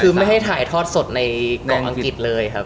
คือไม่ให้ถ่ายทอดสดในเกาะอังกฤษเลยครับ